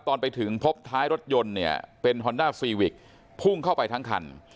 ตอนไปถึงพบท้ายรถยนต์เนี่ยเป็นผู้งเข้าไปทั้งคัน